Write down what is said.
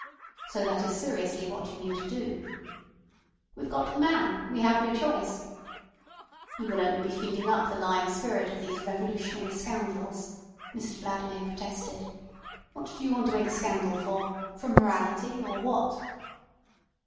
"So that is seriously what you mean to do." "We've got the man; we have no choice." "You will be only feeding up the lying spirit of these revolutionary scoundrels," Mr Vladimir protested. "What do you want to make a scandal for?—from morality—or what?"